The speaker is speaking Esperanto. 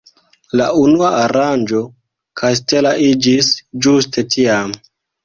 La unua aranĝo kastela iĝis ĝuste tiam.